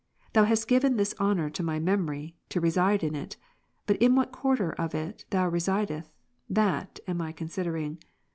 Thou hast given this honour to my memory, to reside in it ; but in what quarter of it Thou residest, that am I considei'ing.